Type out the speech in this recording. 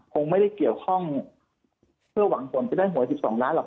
คงไม่ได้เกี่ยวข้องเพื่อหวังผลจะได้หวย๑๒ล้านหรอก